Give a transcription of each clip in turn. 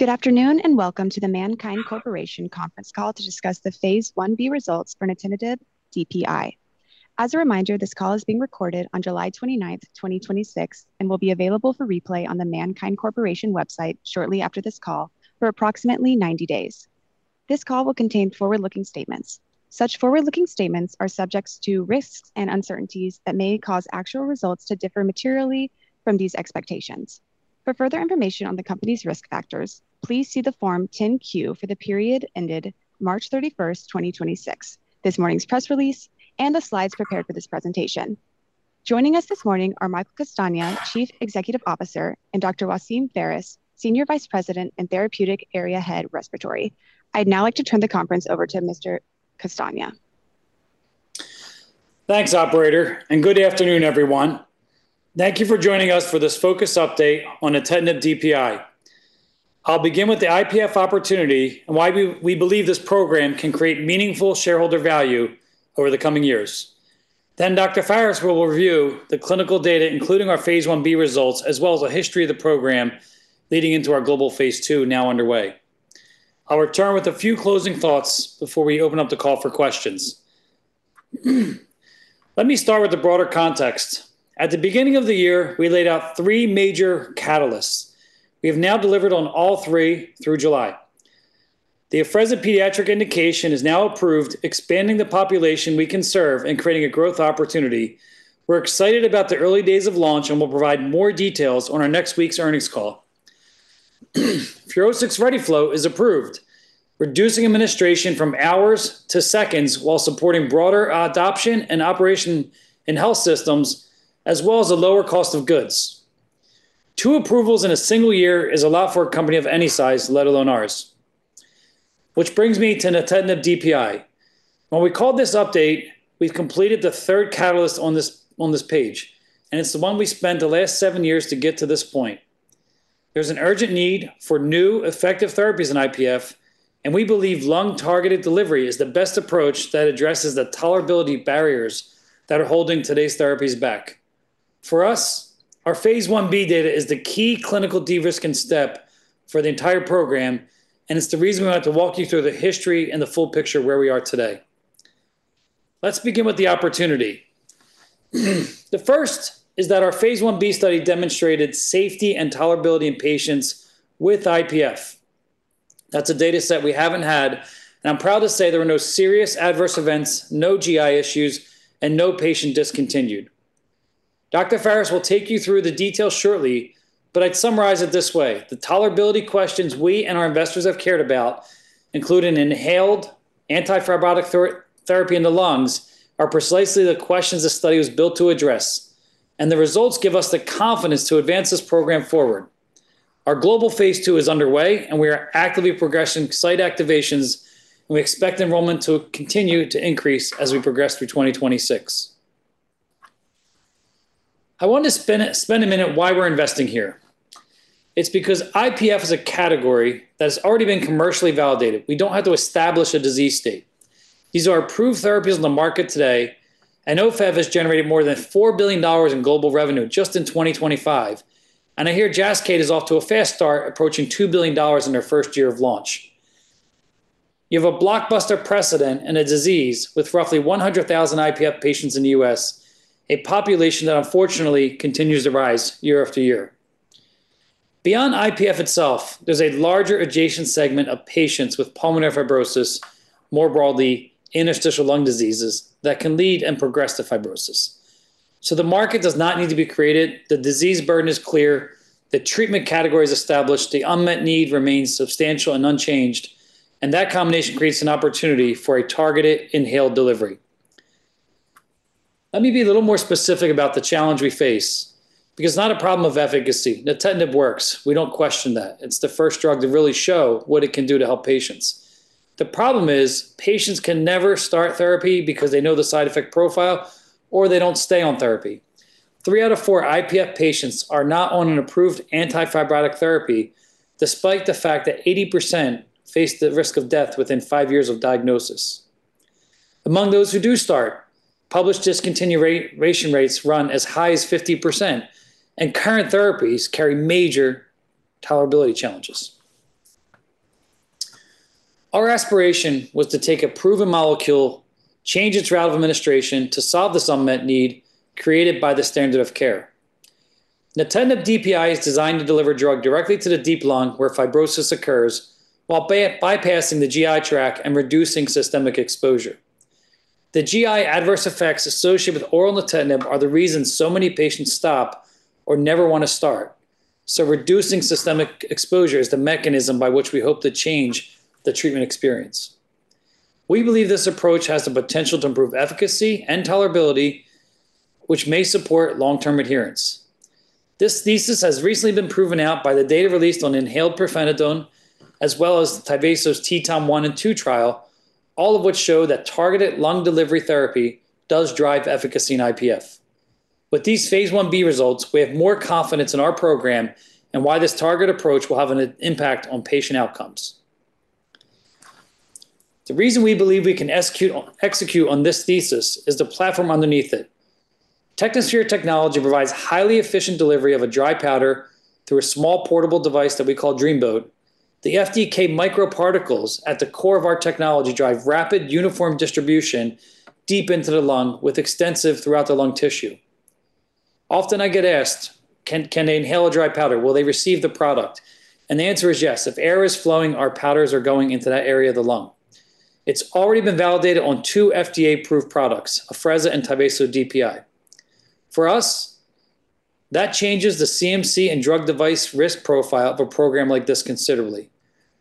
Good afternoon, and welcome to the MannKind Corporation conference call to discuss the phase I-B results for nintedanib DPI. As a reminder, this call is being recorded on July 29th, 2026, and will be available for replay on the MannKind Corporation website shortly after this call for approximately 90 days. This call will contain forward-looking statements. Such forward-looking statements are subject to risks and uncertainties that may cause actual results to differ materially from these expectations. For further information on the company's risk factors, please see the Form 10-Q for the period ended March 31st, 2026, this morning's press release, and the slides prepared for this presentation. Joining us this morning are Mike Castagna, Chief Executive Officer, and Dr. Wassim Fares, Senior Vice President and Therapeutic Area Head, Respiratory. I'd now like to turn the conference over to Mr. Castagna. Thanks, operator, good afternoon, everyone. Thank you for joining us for this focus update on nintedanib DPI. I'll begin with the IPF opportunity and why we believe this program can create meaningful shareholder value over the coming years. Dr. Fares will review the clinical data, including our phase I-B results, as well as a history of the program leading into our global phase II now underway. I'll return with a few closing thoughts before we open up the call for questions. Let me start with the broader context. At the beginning of the year, we laid out three major catalysts. We have now delivered on all three through July. The Afrezza pediatric indication is now approved, expanding the population we can serve and creating a growth opportunity. We're excited about the early days of launch, and we'll provide more details on our next week's earnings call. FUROSCIX ReadyFlow is approved, reducing administration from hours to seconds while supporting broader adoption and operation in health systems, as well as a lower cost of goods. Two approvals in a single year is a lot for a company of any size, let alone ours. Which brings me to nintedanib DPI. When we called this update, we've completed the third catalyst on this page, and it's the one we spent the last seven years to get to this point. There's an urgent need for new effective therapies in IPF, and we believe lung-targeted delivery is the best approach that addresses the tolerability barriers that are holding today's therapies back. For us, our phase I-B data is the key clinical de-risking step for the entire program, and it's the reason we wanted to walk you through the history and the full picture of where we are today. Let's begin with the opportunity. The first is that our phase I-B study demonstrated safety and tolerability in patients with IPF. That's a dataset we haven't had, and I'm proud to say there were no serious adverse events, no GI issues, and no patient discontinued. Dr. Fares will take you through the details shortly, but I'd summarize it this way: The tolerability questions we and our investors have cared about, including inhaled anti-fibrotic therapy in the lungs, are precisely the questions this study was built to address, and the results give us the confidence to advance this program forward. Our global phase II is underway, and we are actively progressing site activations, and we expect enrollment to continue to increase as we progress through 2026. I want to spend a minute why we're investing here. It's because IPF is a category that's already been commercially validated. We don't have to establish a disease state. These are approved therapies on the market today. Ofev has generated more than $4 billion in global revenue just in 2025. I hear Jascayd is off to a fast start, approaching $2 billion in their first year of launch. You have a blockbuster precedent in a disease with roughly 100,000 IPF patients in the U.S., a population that unfortunately continues to rise year after year. Beyond IPF itself, there's a larger adjacent segment of patients with pulmonary fibrosis, more broadly, interstitial lung diseases that can lead and progress to fibrosis. The market does not need to be created. The disease burden is clear. The treatment category is established. The unmet need remains substantial and unchanged, and that combination creates an opportunity for a targeted inhaled delivery. Let me be a little more specific about the challenge we face because it's not a problem of efficacy. nintedanib works. We don't question that. It's the first drug to really show what it can do to help patients. The problem is patients can never start therapy because they know the side effect profile or they don't stay on therapy. Three out of four IPF patients are not on an approved anti-fibrotic therapy, despite the fact that 80% face the risk of death within five years of diagnosis. Among those who do start, published discontinuation rates run as high as 50%, and current therapies carry major tolerability challenges. Our aspiration was to take a proven molecule, change its route of administration to solve this unmet need created by the standard of care. nintedanib DPI is designed to deliver drug directly to the deep lung where fibrosis occurs while bypassing the GI tract and reducing systemic exposure. The GI adverse effects associated with oral nintedanib are the reason so many patients stop or never want to start. Reducing systemic exposure is the mechanism by which we hope to change the treatment experience. We believe this approach has the potential to improve efficacy and tolerability, which may support long-term adherence. This thesis has recently been proven out by the data released on inhaled pirfenidone, as well as TYVASO's TETON 1 and 2 trial, all of which show that targeted lung delivery therapy does drive efficacy in IPF. With these phase I-B results, we have more confidence in our program and why this targeted approach will have an impact on patient outcomes. The reason we believe we can execute on this thesis is the platform underneath it. Technosphere technology provides highly efficient delivery of a dry powder through a small portable device that we call Dreamboat. The FDK microparticles at the core of our technology drive rapid uniform distribution deep into the lung with extensive throughout the lung tissue. Often I get asked, "Can they inhale a dry powder? Will they receive the product?" The answer is yes. If air is flowing, our powders are going into that area of the lung. It's already been validated on two FDA-approved products, Afrezza and TYVASO DPI. For us, that changes the CMC and drug device risk profile of a program like this considerably.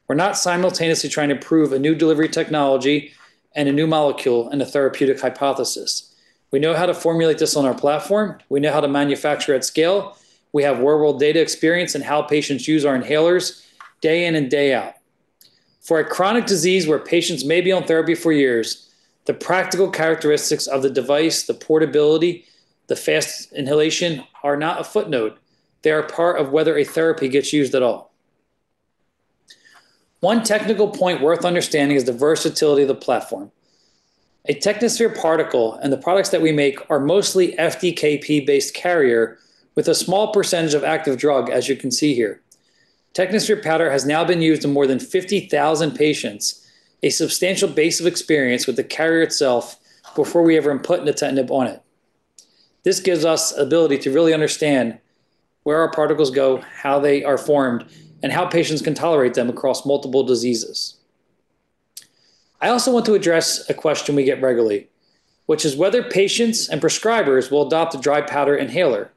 We're not simultaneously trying to prove a new delivery technology and a new molecule and a therapeutic hypothesis. We know how to formulate this on our platform. We know how to manufacture at scale. We have real-world data experience in how patients use our inhalers day in and day out. For a chronic disease where patients may be on therapy for years, the practical characteristics of the device, the portability, the fast inhalation, are not a footnote. They are part of whether a therapy gets used at all. One technical point worth understanding is the versatility of the platform. A Technosphere particle and the products that we make are mostly FDKP based carrier with a small percentage of active drug, as you can see here. Technosphere powder has now been used in more than 50,000 patients, a substantial base of experience with the carrier itself before we ever even put nintedanib on it. This gives us ability to really understand where our particles go, how they are formed, and how patients can tolerate them across multiple diseases. I also want to address a question we get regularly, which is whether patients and prescribers will adopt a dry powder inhaler.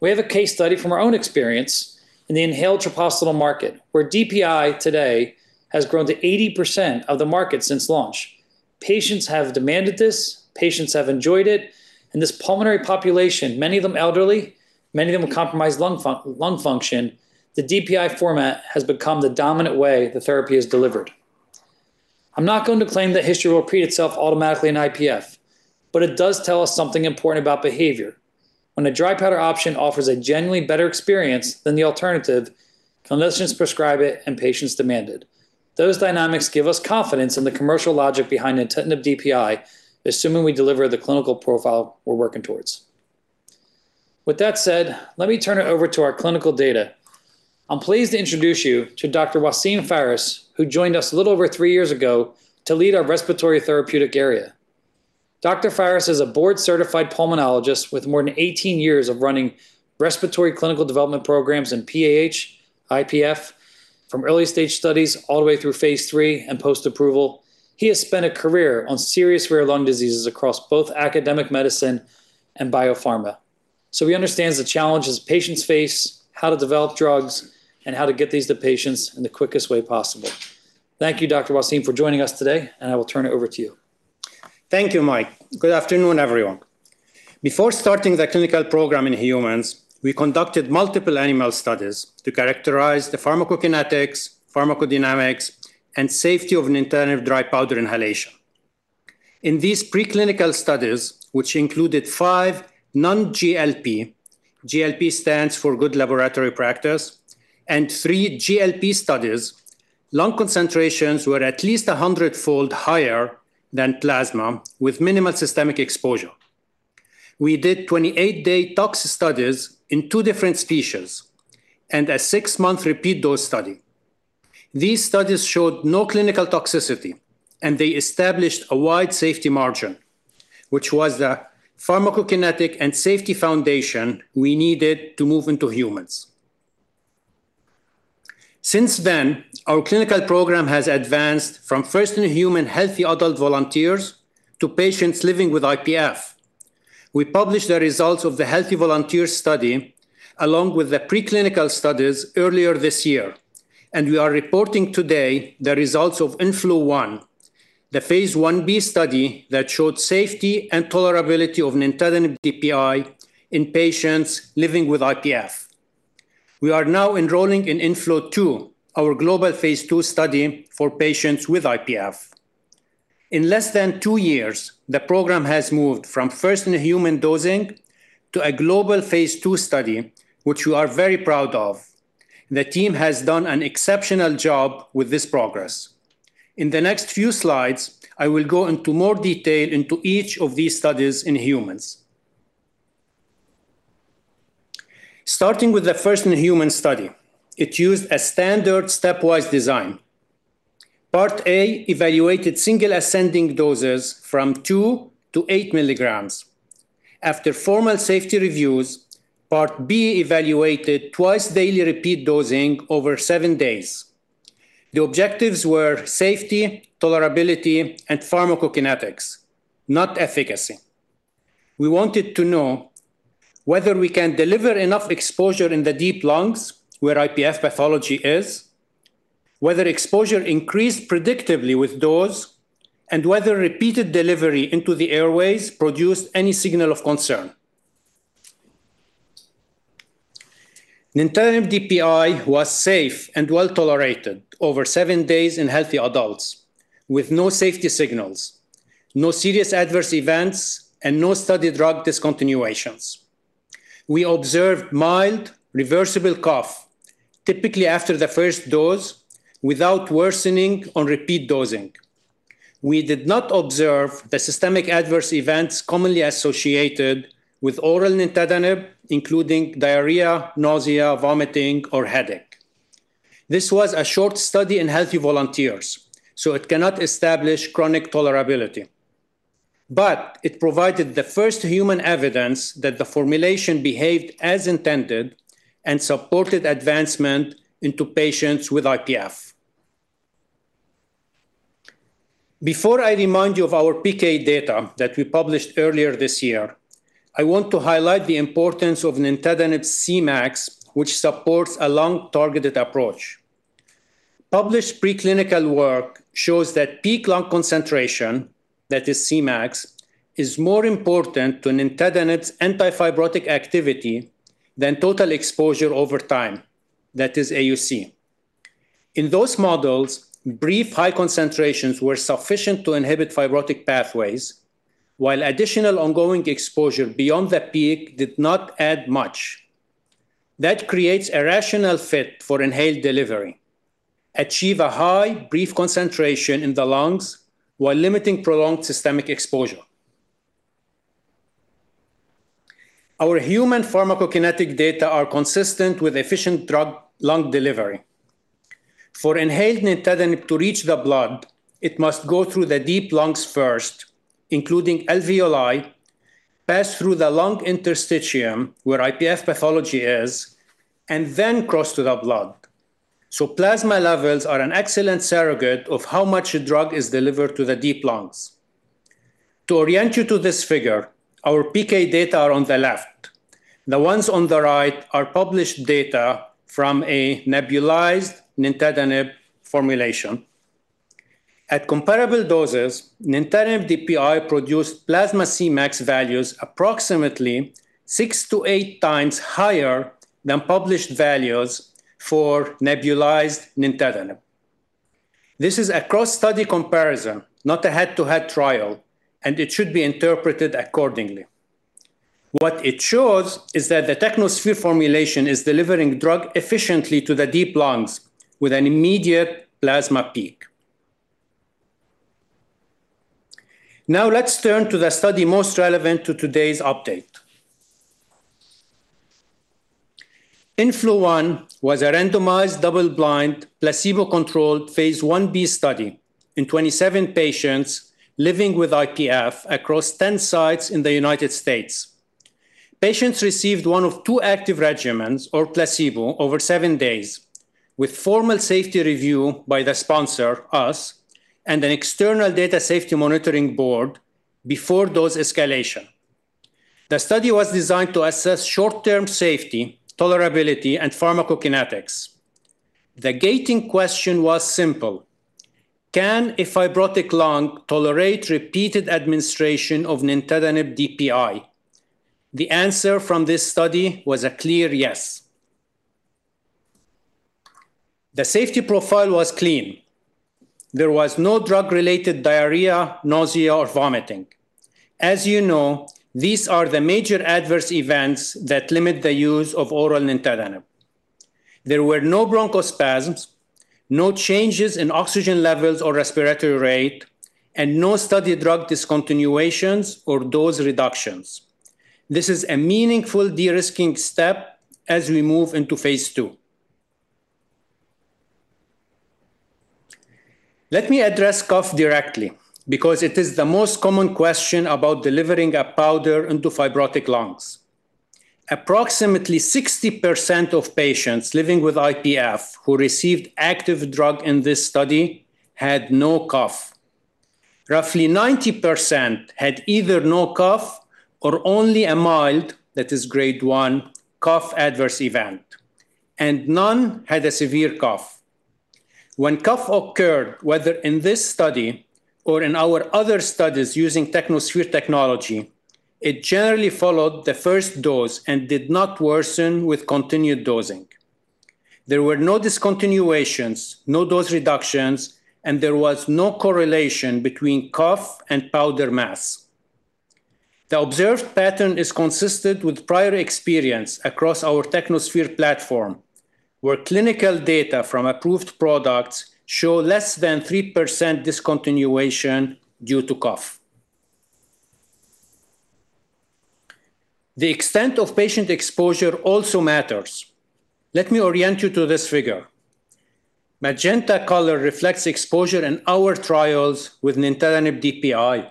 We have a case study from our own experience in the inhaled treprostinil market, where DPI today has grown to 80% of the market since launch. Patients have demanded this, patients have enjoyed it. In this pulmonary population, many of them elderly, many of them with compromised lung function, the DPI format has become the dominant way the therapy is delivered. I'm not going to claim that history will repeat itself automatically in IPF. It does tell us something important about behavior. When a dry powder option offers a genuinely better experience than the alternative, clinicians prescribe it and patients demand it. Those dynamics give us confidence in the commercial logic behind the nintedanib DPI, assuming we deliver the clinical profile we're working towards. With that said, let me turn it over to our clinical data. I'm pleased to introduce you to Dr. Wassim Fares, who joined us a little over three years ago to lead our respiratory therapeutic area. Dr. Fares is a board-certified pulmonologist with more than 18 years of running respiratory clinical development programs in PAH, IPF, from early-stage studies all the way through phase III and post-approval. He has spent a career on serious, rare lung diseases across both academic medicine and biopharma. He understands the challenges patients face, how to develop drugs, and how to get these to patients in the quickest way possible. Thank you, Dr. Wassim, for joining us today. I will turn it over to you. Thank you, Mike. Good afternoon, everyone. Before starting the clinical program in humans, we conducted multiple animal studies to characterize the pharmacokinetics, pharmacodynamics, and safety of nintedanib dry powder inhalation. In these preclinical studies, which included five non-GLP, GLP stands for Good Laboratory Practice, and three GLP studies, lung concentrations were at least 100-fold higher than plasma with minimal systemic exposure. We did 28-day toxic studies in two different species and a six-month repeat dose study. These studies showed no clinical toxicity. They established a wide safety margin, which was the pharmacokinetic and safety foundation we needed to move into humans. Since then, our clinical program has advanced from first-in-human healthy adult volunteers to patients living with IPF. We published the results of the healthy volunteer study along with the preclinical studies earlier this year. We are reporting today the results of INFLO-1, the phase I-B study that showed safety and tolerability of nintedanib DPI in patients living with IPF. We are now enrolling in INFLO-2, our global phase II study for patients with IPF. In less than two years, the program has moved from first-in-human dosing to a global phase II study, which we are very proud of. The team has done an exceptional job with this progress. In the next few slides, I will go into more detail into each of these studies in humans. Starting with the first-in-human study. It used a standard stepwise design. Part A evaluated single ascending doses from 2 to 8 mg. After formal safety reviews, Part B evaluated twice-daily repeat dosing over seven days. The objectives were safety, tolerability, and pharmacokinetics, not efficacy. We wanted to know whether we can deliver enough exposure in the deep lungs where IPF pathology is, whether exposure increased predictably with dose, and whether repeated delivery into the airways produced any signal of concern. nintedanib DPI was safe and well-tolerated over seven days in healthy adults with no safety signals, no serious adverse events, and no study drug discontinuations. We observed mild reversible cough, typically after the first dose, without worsening on repeat dosing. We did not observe the systemic adverse events commonly associated with oral nintedanib, including diarrhea, nausea, vomiting, or headache. This was a short study in healthy volunteers, so it cannot establish chronic tolerability. It provided the first human evidence that the formulation behaved as intended and supported advancement into patients with IPF. Before I remind you of our PK data that we published earlier this year, I want to highlight the importance of nintedanib Cmax, which supports a lung-targeted approach. Published preclinical work shows that peak lung concentration, that is Cmax, is more important to nintedanib's anti-fibrotic activity than total exposure over time, that is AUC. In those models, brief high concentrations were sufficient to inhibit fibrotic pathways, while additional ongoing exposure beyond the peak did not add much. That creates a rational fit for inhaled delivery. Achieve a high, brief concentration in the lungs while limiting prolonged systemic exposure. Our human pharmacokinetic data are consistent with efficient drug lung delivery. For inhaled nintedanib to reach the blood, it must go through the deep lungs first, including alveoli, pass through the lung interstitium, where IPF pathology is. Then cross to the blood. Plasma levels are an excellent surrogate of how much drug is delivered to the deep lungs. To orient you to this figure, our PK data are on the left. The ones on the right are published data from a nebulized nintedanib formulation. At comparable doses, nintedanib DPI produced plasma Cmax values approximately six to eight times higher than published values for nebulized nintedanib. This is a cross-study comparison, not a head-to-head trial, and it should be interpreted accordingly. What it shows is that the Technosphere formulation is delivering drug efficiently to the deep lungs with an immediate plasma peak. Let's turn to the study most relevant to today's update. INFLO-1 was a randomized, double-blind, placebo-controlled phase I-B study in 27 patients living with IPF across 10 sites in the U.S. Patients received one of two active regimens or placebo over seven days, with formal safety review by the sponsor, us, and an external Data and Safety Monitoring Board before dose escalation. The study was designed to assess short-term safety, tolerability, and pharmacokinetics. The gating question was simple: Can a fibrotic lung tolerate repeated administration of nintedanib DPI? The answer from this study was a clear yes. The safety profile was clean. There was no drug-related diarrhea, nausea, or vomiting. As you know, these are the major adverse events that limit the use of oral nintedanib. There were no bronchospasms, no changes in oxygen levels or respiratory rate, and no study drug discontinuations or dose reductions. This is a meaningful de-risking step as we move into phase II. Let me address cough directly, because it is the most common question about delivering a powder into fibrotic lungs. Approximately 60% of patients living with IPF who received active drug in this study had no cough. Roughly 90% had either no cough or only a mild, that is Grade 1, cough adverse event, and none had a severe cough. When cough occurred, whether in this study or in our other studies using Technosphere technology, it generally followed the first dose and did not worsen with continued dosing. There were no discontinuations, no dose reductions, and there was no correlation between cough and powder mass. The observed pattern is consistent with prior experience across our Technosphere platform, where clinical data from approved products show less than 3% discontinuation due to cough. The extent of patient exposure also matters. Let me orient you to this figure. Magenta color reflects exposure in our trials with nintedanib DPI.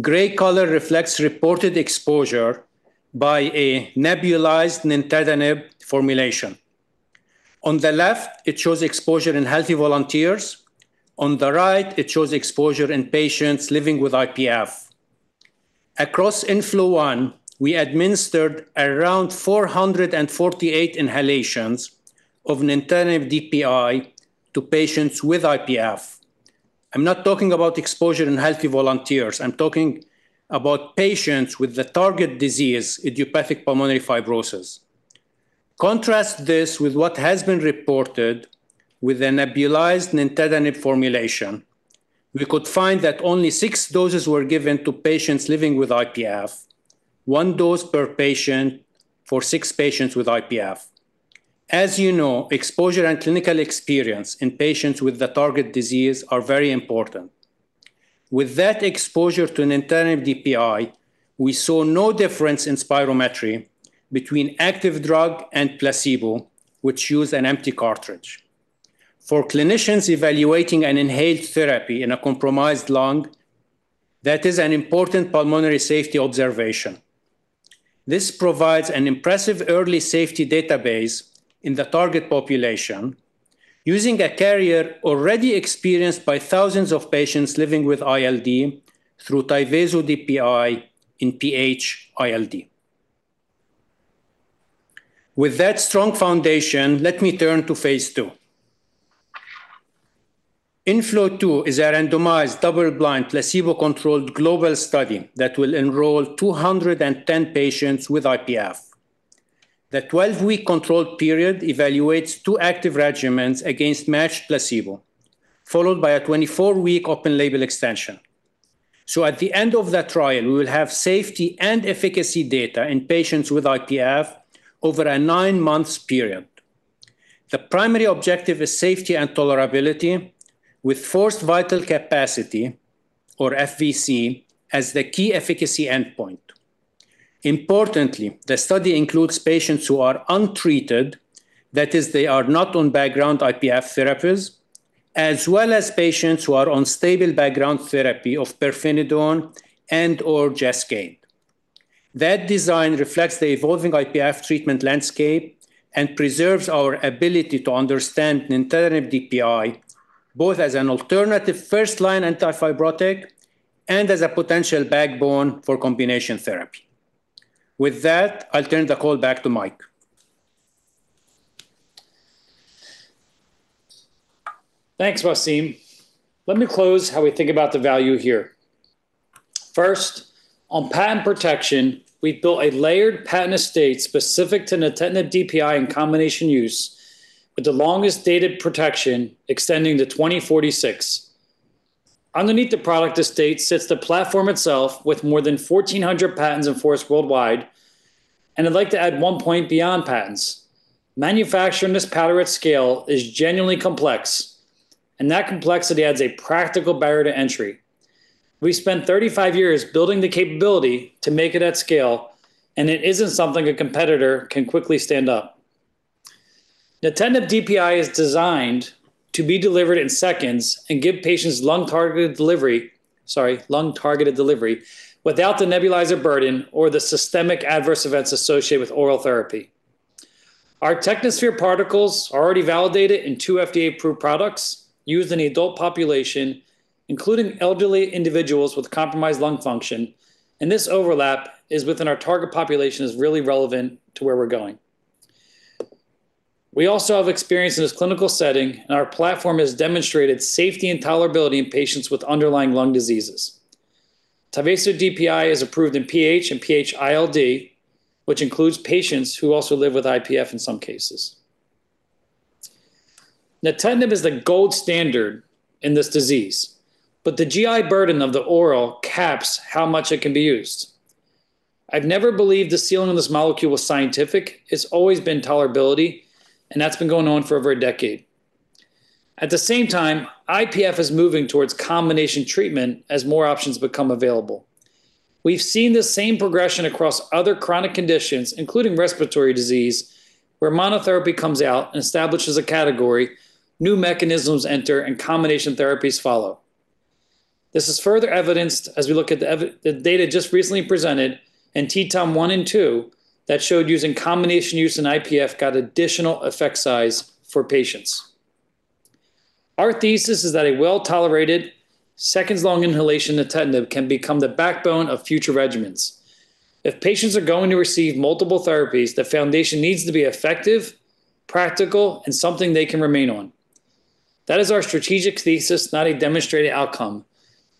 Gray color reflects reported exposure by a nebulized nintedanib formulation. On the left, it shows exposure in healthy volunteers. On the right, it shows exposure in patients living with IPF. Across INFLO-1, we administered around 448 inhalations of nintedanib DPI to patients with IPF. I'm not talking about exposure in healthy volunteers. I'm talking about patients with the target disease, idiopathic pulmonary fibrosis. Contrast this with what has been reported with a nebulized nintedanib formulation. We could find that only six doses were given to patients living with IPF, one dose per patient for six patients with IPF. As you know, exposure and clinical experience in patients with the target disease are very important. With that exposure to nintedanib DPI, we saw no difference in spirometry between active drug and placebo, which use an empty cartridge. For clinicians evaluating an inhaled therapy in a compromised lung, that is an important pulmonary safety observation. This provides an impressive early safety database in the target population using a carrier already experienced by thousands of patients living with ILD through TYVASO DPI in PH ILD. With that strong foundation, let me turn to phase II. INFLO-2 is a randomized, double-blind, placebo-controlled global study that will enroll 210 patients with IPF. The 12-week control period evaluates two active regimens against matched placebo, followed by a 24-week open label extension. At the end of that trial, we will have safety and efficacy data in patients with IPF over a nine months period. The primary objective is safety and tolerability with forced vital capacity, or FVC, as the key efficacy endpoint. Importantly, the study includes patients who are untreated, that is, they are not on background IPF therapies, as well as patients who are on stable background therapy of pirfenidone and/or Jascayd. That design reflects the evolving IPF treatment landscape and preserves our ability to understand nintedanib DPI, both as an alternative first-line anti-fibrotic and as a potential backbone for combination therapy. With that, I'll turn the call back to Mike. Thanks, Wassim. Let me close how we think about the value here. First, on patent protection, we've built a layered patent estate specific to nintedanib DPI in combination use with the longest dated protection extending to 2046. Underneath the product estate sits the platform itself with more than 1,400 patents enforced worldwide. I'd like to add one point beyond patents. Manufacturing this powder at scale is genuinely complex, and that complexity adds a practical barrier to entry. We've spent 35 years building the capability to make it at scale, and it isn't something a competitor can quickly stand up. Nintedanib DPI is designed to be delivered in seconds and give patients lung-targeted delivery without the nebulizer burden or the systemic adverse events associated with oral therapy. Our Technosphere particles are already validated in two FDA-approved products used in the adult population, including elderly individuals with compromised lung function. This overlap is within our target population is really relevant to where we're going. We also have experience in this clinical setting, and our platform has demonstrated safety and tolerability in patients with underlying lung diseases. TYVASO DPI is approved in PH and PH ILD, which includes patients who also live with IPF in some cases. nintedanib is the gold standard in this disease, but the GI burden of the oral caps how much it can be used. I've never believed the ceiling on this molecule was scientific. It's always been tolerability, and that's been going on for over a decade. At the same time, IPF is moving towards combination treatment as more options become available. We've seen the same progression across other chronic conditions, including respiratory disease, where monotherapy comes out and establishes a category, new mechanisms enter, and combination therapies follow. This is further evidenced as we look at the data just recently presented in TETON 1 and 2 that showed using combination use in IPF got additional effect size for patients. Our thesis is that a well-tolerated, seconds-long inhalation nintedanib can become the backbone of future regimens. If patients are going to receive multiple therapies, the foundation needs to be effective, practical, and something they can remain on. That is our strategic thesis, not a demonstrated outcome,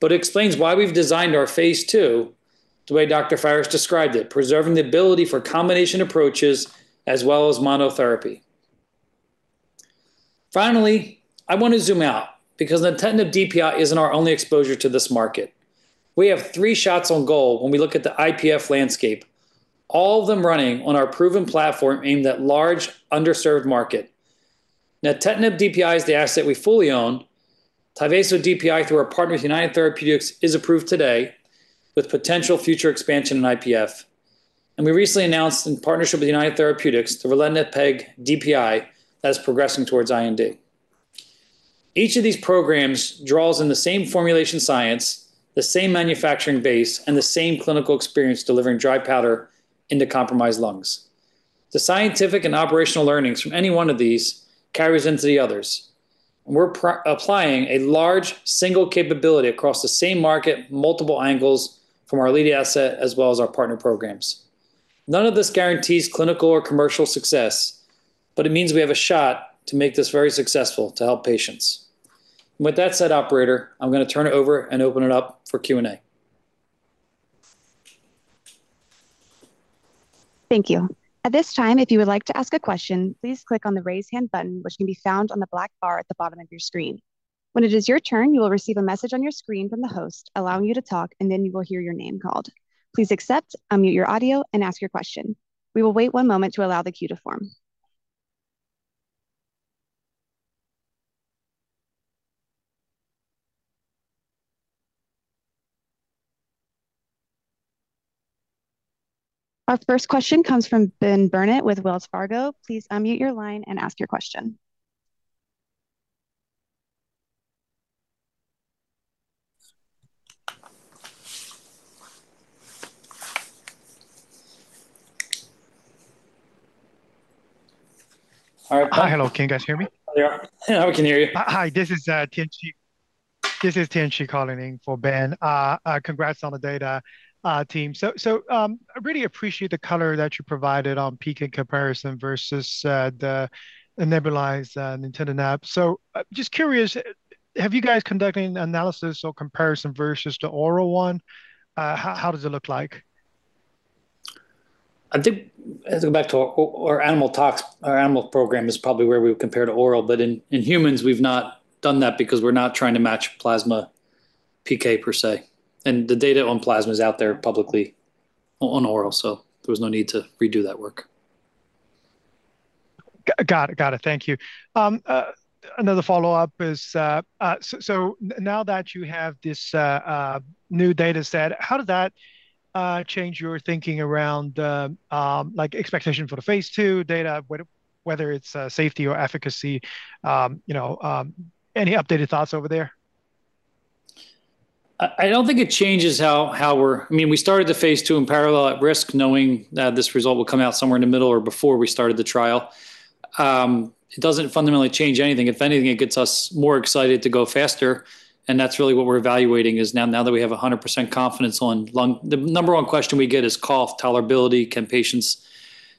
but it explains why we've designed our phase II the way Dr. Fares described it, preserving the ability for combination approaches as well as monotherapy. Finally, I want to zoom out because nintedanib DPI isn't our only exposure to this market. We have three shots on goal when we look at the IPF landscape, all of them running on our proven platform aimed at large underserved market. Nintedanib DPI is the asset we fully own. TYVASO DPI through our partner United Therapeutics is approved today with potential future expansion in IPF. We recently announced in partnership with United Therapeutics, the ralinepag DPI that is progressing towards IND. Each of these programs draws in the same formulation science, the same manufacturing base, and the same clinical experience delivering dry powder into compromised lungs. The scientific and operational learnings from any one of these carries into the others, and we're applying a large single capability across the same market, multiple angles from our leading asset as well as our partner programs. None of this guarantees clinical or commercial success, it means we have a shot to make this very successful to help patients. With that said, operator, I'm going to turn it over and open it up for Q&A. Thank you. At this time, if you would like to ask a question, please click on the raise hand button, which can be found on the black bar at the bottom of your screen. When it is your turn, you will receive a message on your screen from the host allowing you to talk, and then you will hear your name called. Please accept, unmute your audio, and ask your question. We will wait one moment to allow the queue to form. Our first question comes from Ben Burnett with Wells Fargo. Please unmute your line and ask your question. All right. Hi. Hello. Can you guys hear me? Yeah. We can hear you. Hi, this is [Tien-Chieh] calling in for Ben. Congrats on the data, team. I really appreciate the color that you provided on peak and comparison versus the nebulized nintedanib. Just curious, have you guys conducted any analysis or comparison versus the oral one? How does it look like? I think going back to our animal talks, our animal program is probably where we would compare to oral. In humans, we've not done that because we're not trying to match plasma PK per se. The data on plasma is out there publicly on oral, so there was no need to redo that work. Got it. Thank you. Another follow-up is, now that you have this new data set, how did that change your thinking around expectation for the phase II data, whether it's safety or efficacy? Any updated thoughts over there? I don't think it changes. We started the phase II in parallel at-risk, knowing that this result will come out somewhere in the middle or before we started the trial. It doesn't fundamentally change anything. If anything, it gets us more excited to go faster. That's really what we're evaluating is now that we have 100% confidence on lung. The number one question we get is cough tolerability. Can patients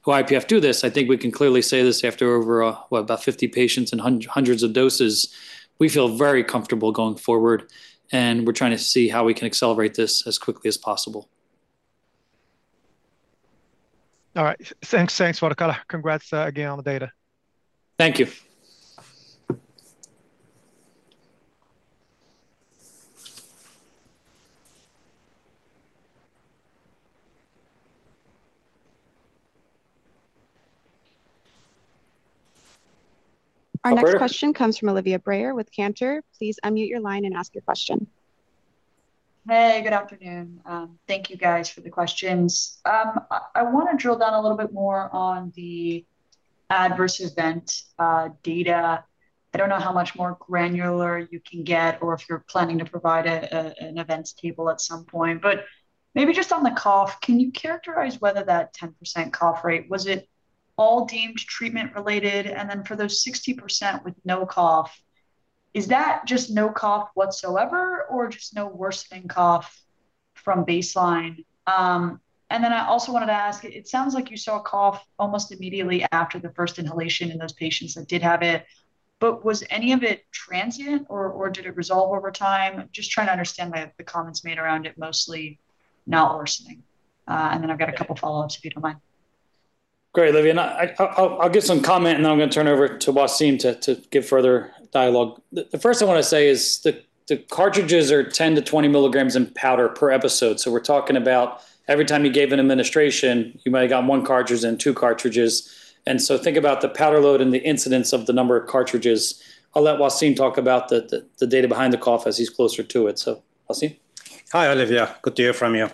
who IPF do this? I think we can clearly say this after over, what, about 50 patients and hundreds of doses. We feel very comfortable going forward. We're trying to see how we can accelerate this as quickly as possible. All right. Thanks. Thanks a lot. Congrats again on the data. Thank you. Our next question comes from Olivia Breyer with Cantor. Please unmute your line and ask your question. Hey, good afternoon. Thank you guys for the questions. I want to drill down a little bit more on the adverse event data. I don't know how much more granular you can get or if you're planning to provide an events table at some point. Maybe just on the cough, can you characterize whether that 10% cough rate, was it all deemed treatment related? For those 60% with no cough, is that just no cough whatsoever or just no worsening cough from baseline? I also wanted to ask, it sounds like you saw a cough almost immediately after the first inhalation in those patients that did have it. Was any of it transient, or did it resolve over time? Just trying to understand the comments made around it mostly not worsening. I've got a couple follow-ups, if you don't mind. Great, Olivia. I'll give some comment, I'm going to turn over to Wassim to give further dialogue. The first I want to say is the cartridges are 10 to 20 milligrams in powder per episode. We're talking about every time you gave an administration, you might have gotten one cartridge and two cartridges. Think about the powder load and the incidence of the number of cartridges. I'll let Wassim talk about the data behind the cough as he's closer to it. Wassim. Hi, Olivia. Good to hear from you.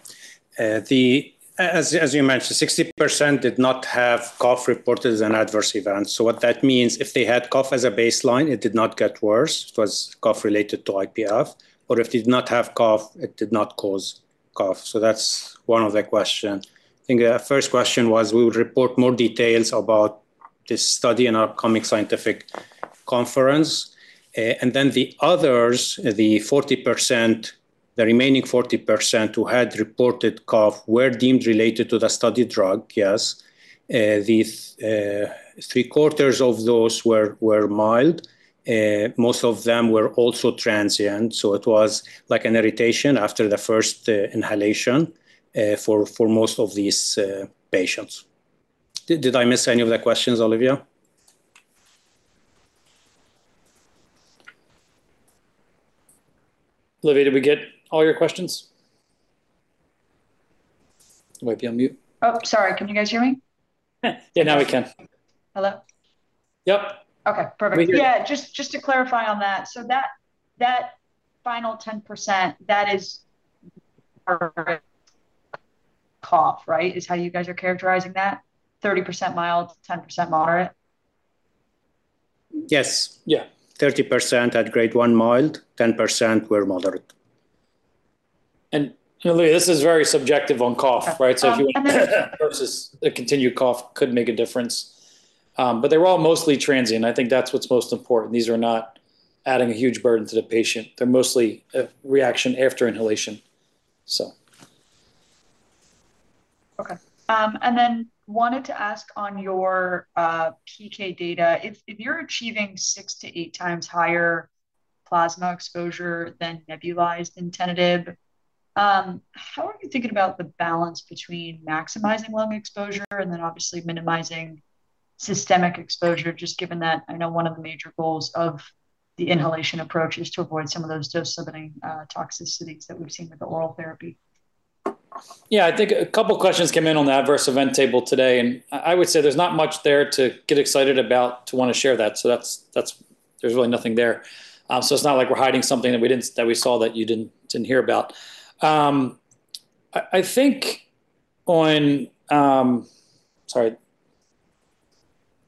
As you mentioned, 60% did not have cough reported as an adverse event. What that means, if they had cough as a baseline, it did not get worse. It was cough related to IPF. If they did not have cough, it did not cause cough. That's one of the questions. I think the first question was we would report more details about this study in our coming scientific conference. The others, the 40%, the remaining 40% who had reported cough were deemed related to the study drug. Yes. Three-quarters of those were mild. Most of them were also transient. It was like an irritation after the first inhalation for most of these patients. Did I miss any of the questions, Olivia? Olivia, did we get all your questions? You might be on mute. Sorry. Can you guys hear me? Now we can. Hello? Yep. Okay, perfect. We hear you. Yeah, just to clarify on that final 10%, that is cough, right? Is how you guys are characterizing that? 30% mild, 10% moderate? Yes. Yeah. 30% had grade 1 mild, 10% were moderate. Olivia, this is very subjective on cough, right? If you want versus a continued cough could make a difference. They were all mostly transient. I think that's what's most important. These are not adding a huge burden to the patient. They're mostly a reaction after inhalation. Okay. Wanted to ask on your PK data, if you're achieving 6 to 8 times higher plasma exposure than nebulized nintedanib, how are you thinking about the balance between maximizing lung exposure and then obviously minimizing systemic exposure, just given that, I know one of the major goals of the inhalation approach is to avoid some of those dose-limiting toxicities that we've seen with the oral therapy? Yeah, I think a couple of questions came in on the adverse event table today, I would say there's not much there to get excited about to want to share that. There's really nothing there. It's not like we're hiding something that we saw that you didn't hear about. Sorry,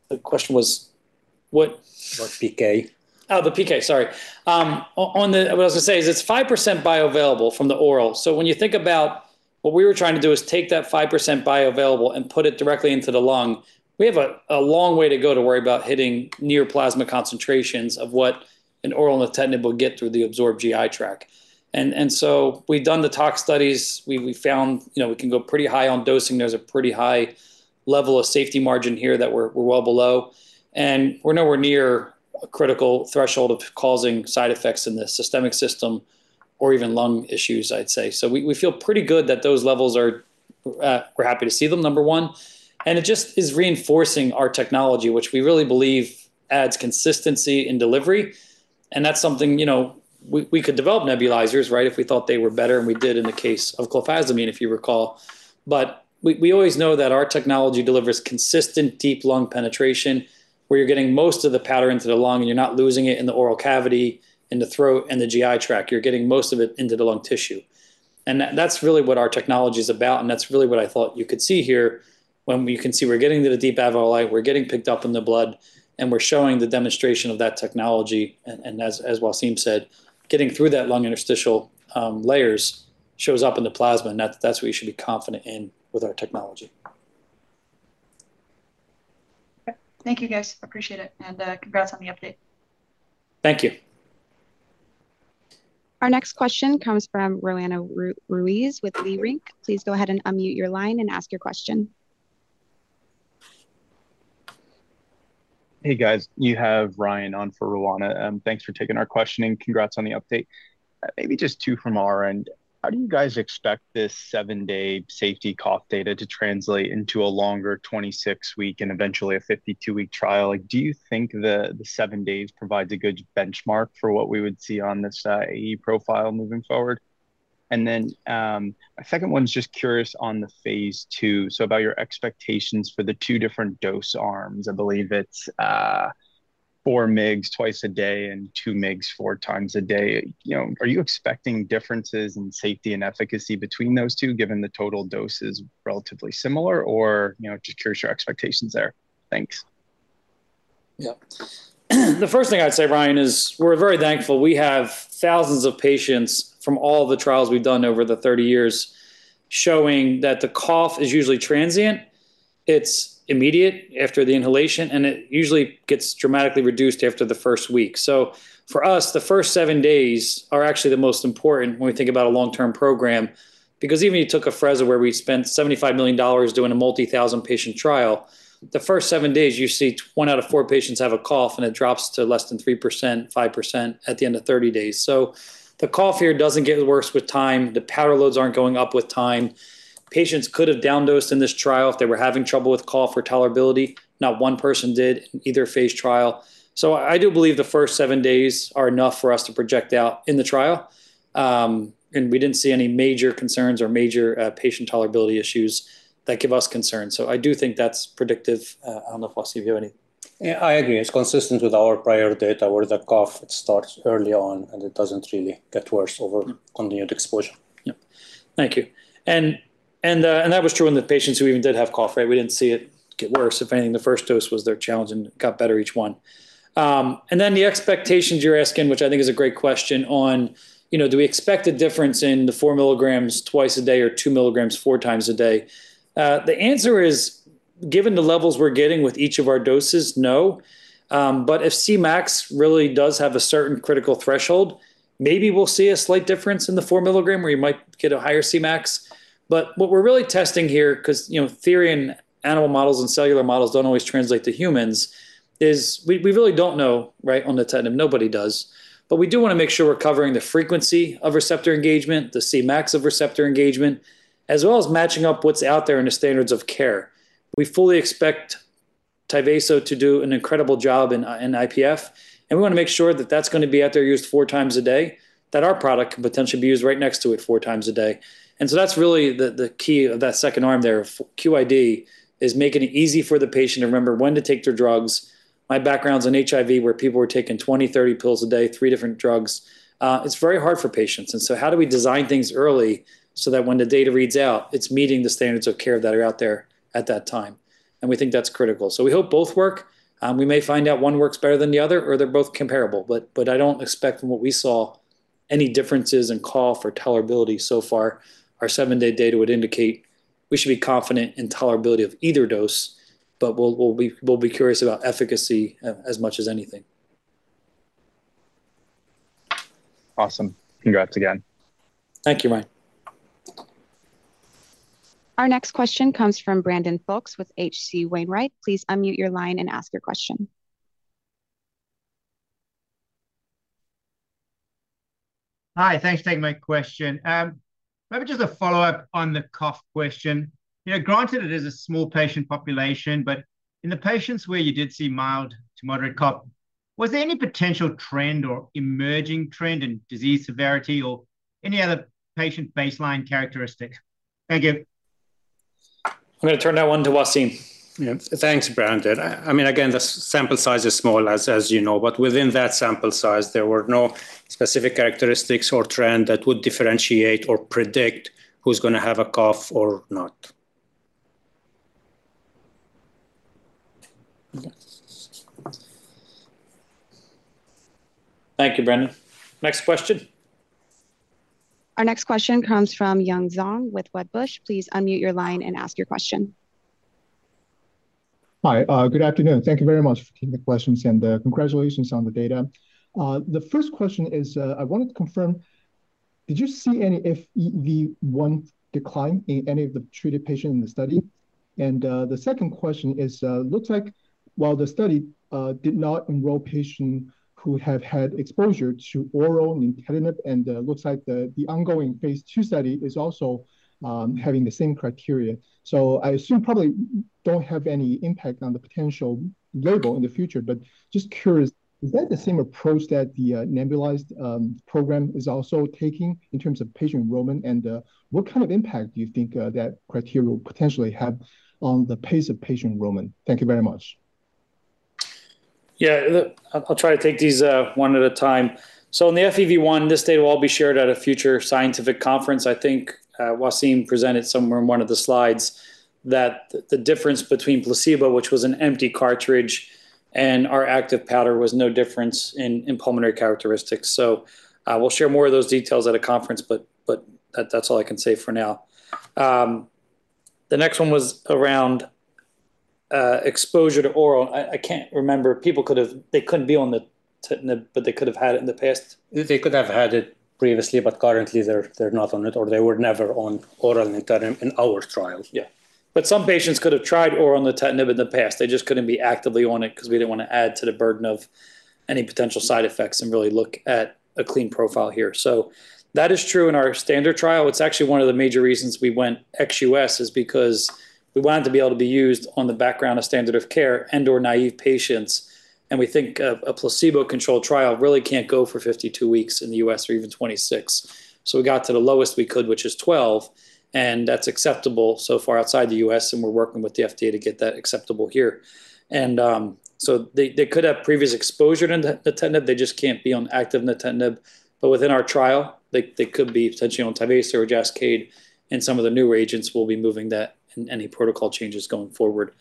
the question was what The PK PK, sorry. What I was going to say is it's 5% bioavailable from the oral. When you think about what we were trying to do is take that 5% bioavailable and put it directly into the lung. We have a long way to go to worry about hitting near plasma concentrations of what an oral nintedanib will get through the absorbed GI tract. We've done the tox studies. We found we can go pretty high on dosing. There's a pretty high level of safety margin here that we're well below, and we're nowhere near a critical threshold of causing side effects in the systemic system or even lung issues, I'd say. We feel pretty good that those levels are. We're happy to see them, number one, and it just is reinforcing our technology, which we really believe adds consistency in delivery, and that's something, we could develop nebulizers if we thought they were better, and we did in the case of clofazimine, if you recall. We always know that our technology delivers consistent, deep lung penetration where you're getting most of the powder into the lung and you're not losing it in the oral cavity, in the throat, and the GI tract. You're getting most of it into the lung tissue. That's really what our technology's about, and that's really what I thought you could see here when you can see we're getting to the deep alveoli, we're getting picked up in the blood, and we're showing the demonstration of that technology. As Wassim said, getting through that lung interstitial layers shows up in the plasma, and that's what you should be confident in with our technology. Okay. Thank you, guys. Appreciate it. Congrats on the update. Thank you. Our next question comes from Roanna Ruiz with Leerink. Please go ahead and unmute your line and ask your question. Hey, guys. You have Ryan on for Roanna. Thanks for taking our questioning. Congrats on the update. Maybe just two from our end. How do you guys expect this seven-day safety cough data to translate into a longer 26-week and eventually a 52-week trial? Do you think the seven days provides a good benchmark for what we would see on this AE profile moving forward? My second one is just curious on the phase II, so about your expectations for the two different dose arms. I believe it's four mgs twice a day and two mgs four times a day. Are you expecting differences in safety and efficacy between those two, given the total dose is relatively similar? Just curious your expectations there. Thanks. Yeah. The first thing I'd say, Ryan, is we're very thankful we have thousands of patients from all the trials we've done over the 30 years showing that the cough is usually transient. It's immediate after the inhalation. It usually gets dramatically reduced after the first week. For us, the first seven days are actually the most important when we think about a long-term program, because even you took Afrezza, where we spent $75 million doing a multi-thousand-patient trial. The first seven days, you see one out of four patients have a cough. It drops to less than 3%, 5% at the end of 30 days. The cough here doesn't get worse with time. The powder loads aren't going up with time. Patients could have down-dosed in this trial if they were having trouble with cough or tolerability. Not one person did in either phase trial. I do believe the first seven days are enough for us to project out in the trial. We didn't see any major concerns or major patient tolerability issues that give us concern. I do think that's predictive. I don't know if, Wassim, you have any. Yeah, I agree. It's consistent with our prior data where the cough starts early on and it doesn't really get worse over continued exposure. Yeah. Thank you. That was true in the patients who even did have cough, right? We didn't see it get worse. If anything, the first dose was their challenge and it got better each one. Then the expectations you're asking, which I think is a great question on, do we expect a difference in the 4 mg twice a day or 2 mg four times a day? The answer is, given the levels we're getting with each of our doses, no. If Cmax really does have a certain critical threshold, maybe we'll see a slight difference in the four milligram where you might get a higher Cmax. What we're really testing here, because theory in animal models and cellular models don't always translate to humans, is we really don't know on the nintedanib. Nobody does. We do want to make sure we're covering the frequency of receptor engagement, the Cmax of receptor engagement, as well as matching up what's out there in the standards of care. We fully expect TYVASO to do an incredible job in IPF, and we want to make sure that that's going to be out there used four times a day, that our product can potentially be used right next to it four times a day. That's really the key of that second arm there. QID is making it easy for the patient to remember when to take their drugs. My background's in HIV, where people were taking 20, 30 pills a day, three different drugs. It's very hard for patients. How do we design things early so that when the data reads out, it's meeting the standards of care that are out there at that time? We think that's critical. We hope both work. We may find out one works better than the other, or they're both comparable. I don't expect from what we saw any differences in cough or tolerability so far. Our seven-day data would indicate we should be confident in tolerability of either dose, but we'll be curious about efficacy as much as anything Awesome. Congrats again. Thank you, Ryan. Our next question comes from Brandon Folkes with H.C. Wainwright. Please unmute your line and ask your question. Hi, thanks for taking my question. Maybe just a follow-up on the cough question. Granted it is a small patient population, but in the patients where you did see mild to moderate cough, was there any potential trend or emerging trend in disease severity or any other patient baseline characteristic? Thank you. I'm going to turn that one to Wassim. Thanks, Brandon. Again, the sample size is small, as you know. Within that sample size, there were no specific characteristics or trend that would differentiate or predict who's going to have a cough or not. Thank you, Brandon. Next question. Our next question comes from Yun Zhong with Wedbush. Please unmute your line and ask your question. Hi, good afternoon. Thank you very much for taking the questions, congratulations on the data. The first question is, I wanted to confirm, did you see any FEV1 decline in any of the treated patients in the study? The second question is, looks like while the study did not enroll patients who have had exposure to oral nintedanib, looks like the ongoing phase II study is also having the same criteria. I assume probably don't have any impact on the potential label in the future, but just curious, is that the same approach that the nebulized program is also taking in terms of patient enrollment? What kind of impact do you think that criteria will potentially have on the pace of patient enrollment? Thank you very much. Yeah. I'll try to take these one at a time. In the FEV1, this data will all be shared at a future scientific conference. I think Wassim presented somewhere in one of the slides that the difference between placebo, which was an empty cartridge, and our active powder was no difference in pulmonary characteristics. We'll share more of those details at a conference, but that's all I can say for now. The next one was around exposure to oral. I can't remember. People couldn't be on the nintedanib, but they could've had it in the past? They could have had it previously, currently they're not on it or they were never on oral nintedanib in our trial. Yeah. Some patients could have tried oral nintedanib in the past. They just couldn't be actively on it because we didn't want to add to the burden of any potential side effects and really look at a clean profile here. That is true in our standard trial. It's actually one of the major reasons we went ex-US, is because we wanted to be able to be used on the background of standard of care and/or naive patients. We think a placebo-controlled trial really can't go for 52 weeks in the U.S., or even 26. We got to the lowest we could, which is 12, and that's acceptable so far outside the U.S., and we're working with the FDA to get that acceptable here. They could have previous exposure to nintedanib. They just can't be on active nintedanib. Within our trial, they could be potentially on TYVASO or Jascayd, and some of the newer agents, we'll be moving that in any protocol changes going forward.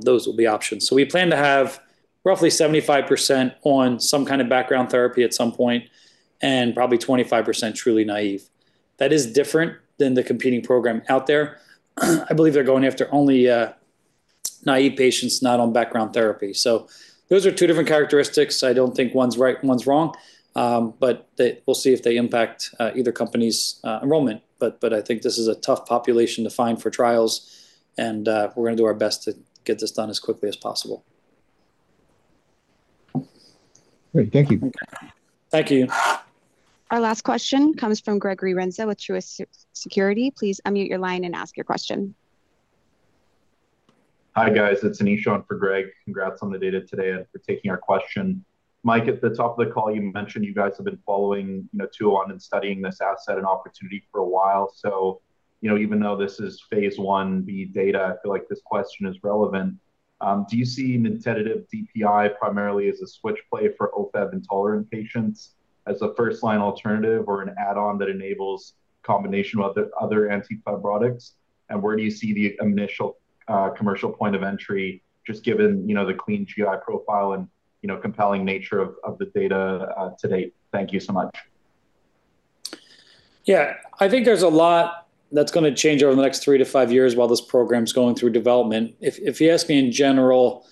Those will be options. We plan to have roughly 75% on some kind of background therapy at some point, and probably 25% truly naive. That is different than the competing program out there. I believe they're going after only naive patients not on background therapy. Those are two different characteristics. I don't think one's right and one's wrong. We'll see if they impact either company's enrollment. I think this is a tough population to find for trials, and we're going to do our best to get this done as quickly as possible. Great. Thank you. Thank you. Our last question comes from Gregory Renza with Truist Securities. Please unmute your line and ask your question. Hi, guys, it's Anish on for Greg. Congrats on the data today and for taking our question. Mike, at the top of the call, you mentioned you guys have been following too long and studying this asset and opportunity for a while. Even though this is phase I-B data, I feel like this question is relevant. Do you see nintedanib DPI primarily as a switch play for Ofev-intolerant patients as a first-line alternative or an add-on that enables combination with other anti-fibrotic? Where do you see the initial commercial point of entry, just given the clean GI profile and compelling nature of the data to date? Thank you so much. Yeah. I think there's a lot that's going to change over the next three to five years while this program's going through development. If you ask me in general,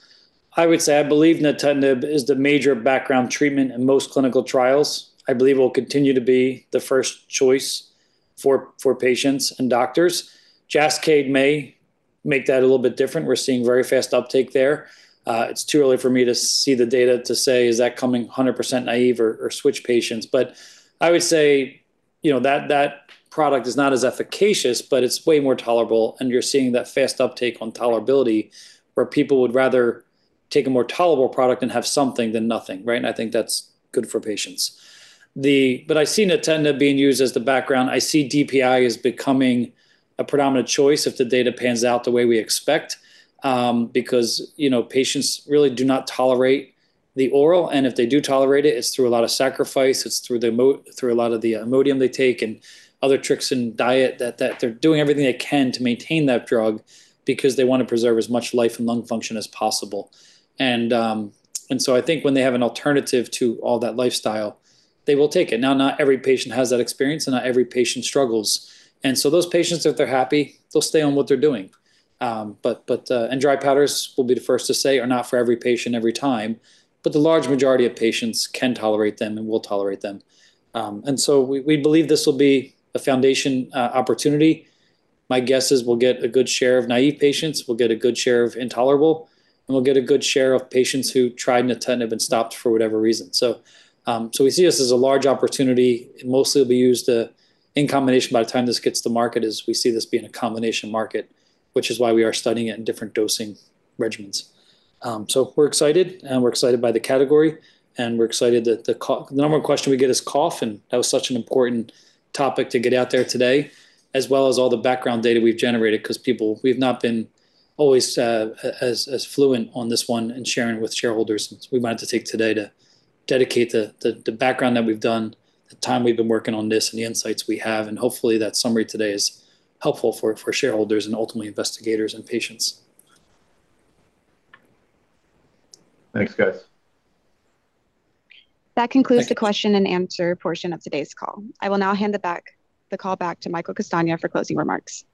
I would say I believe nintedanib is the major background treatment in most clinical trials. I believe it will continue to be the first choice for patients and doctors. Jascayd may make that a little bit different. We're seeing very fast uptake there. It's too early for me to see the data to say is that coming 100% naive or switch patients. I would say that product is not as efficacious, but it's way more tolerable and you're seeing that fast uptake on tolerability, where people would rather take a more tolerable product and have something than nothing, right? I think that's good for patients. I see nintedanib being used as the background. I see DPI as becoming a predominant choice if the data pans out the way we expect. Because patients really do not tolerate the oral, and if they do tolerate it's through a lot of sacrifice. It's through a lot of the IMODIUM they take and other tricks and diet. That they're doing everything they can to maintain that drug because they want to preserve as much life and lung function as possible. I think when they have an alternative to all that lifestyle, they will take it. Now, not every patient has that experience, and not every patient struggles. Those patients, if they're happy, they'll stay on what they're doing. Dry powders, we'll be the first to say, are not for every patient every time, but the large majority of patients can tolerate them and will tolerate them. We believe this will be a foundation opportunity. My guess is we'll get a good share of naive patients, we'll get a good share of intolerable, and we'll get a good share of patients who tried nintedanib and have been stopped for whatever reason. We see this as a large opportunity. It mostly will be used in combination by the time this gets to market, as we see this being a combination market, which is why we are studying it in different dosing regimens. We're excited, and we're excited by the category, and we're excited that The number one question we get is cough, and that was such an important topic to get out there today, as well as all the background data we've generated, because people, we've not been always as fluent on this one and sharing with shareholders. We wanted to take today to dedicate the background that we've done, the time we've been working on this, and the insights we have. Hopefully that summary today is helpful for shareholders and ultimately investigators and patients. Thanks, guys. That concludes the question-and answer portion of today's call. I will now hand the call back to Michael Castagna for closing remarks.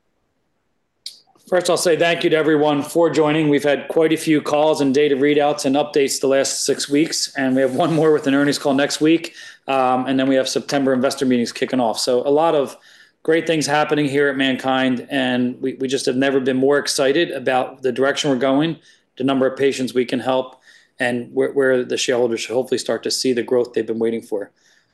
First, I'll say thank you to everyone for joining. We've had quite a few calls and data readouts and updates the last six weeks, and we have one more with an earnings call next week. Then we have September investor meetings kicking off. A lot of great things happening here at MannKind, and we just have never been more excited about the direction we're going, the number of patients we can help, and where the shareholders should hopefully start to see the growth they've been waiting for.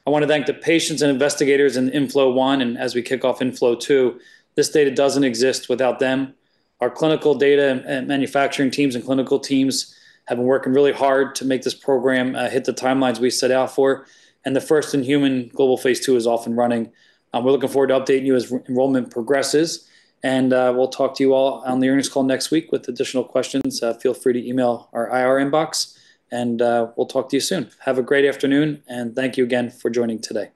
I want to thank the patients and investigators in INFLO-1 and as we kick off INFLO-2. This data doesn't exist without them. Our clinical data and manufacturing teams and clinical teams have been working really hard to make this program hit the timelines we set out for. The first-in-human global phase II is off and running. We're looking forward to updating you as enrollment progresses. We'll talk to you all on the earnings call next week with additional questions. Feel free to email our IR inbox and we'll talk to you soon. Have a great afternoon, and thank you again for joining today.